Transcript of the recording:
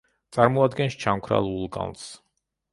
წარმოადგენს ჩამქრალ ვულკანს.